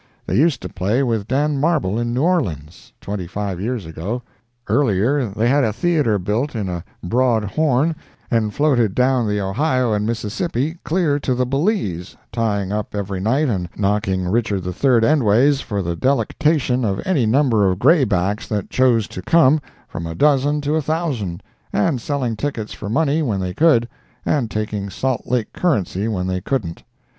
They used to play with Dan Marble in New Orleans, twenty five years ago; earlier, they had a theatre built in a "broad horn," and floated down the Ohio and Mississippi clear to the Belize, tying up every night and knocking Richard III endways for the delectation of any number of graybacks that chose to come, from a dozen to a thousand, and selling tickets for money when they could, and taking Salt Lake currency when they couldn't.